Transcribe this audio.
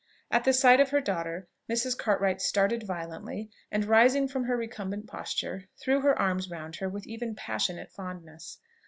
At the sight of her daughter, Mrs. Cartwright started violently, and rising from her recumbent posture, threw her arms round her with even passionate fondness.